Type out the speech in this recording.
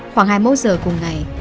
khoảng hai mươi một giờ cùng ngày